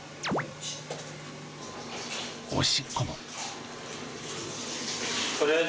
おしっこも。